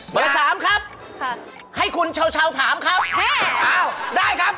เบอร์๓ครับให้คุณเฉาถามครับอ้าวได้ครับ